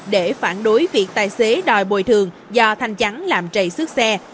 để phản đối việc tài xế đòi bồi thường do thanh chắn làm trầy xước xe